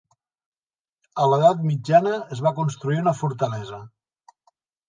A l'edat Mitjana es va construir una fortalesa.